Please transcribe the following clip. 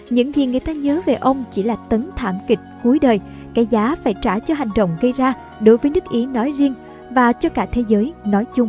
những gì người ta nhớ về ông chỉ là tấn thảm kịch cuối đời cái giá phải trả cho hành động gây ra đối với nước ý nói riêng và cho cả thế giới